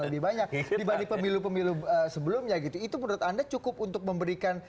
lebih banyak dibanding pemilu pemilu sebelumnya gitu itu menurut anda cukup untuk memberikan